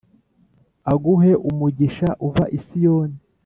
Aguhe umugisha uva isiyoni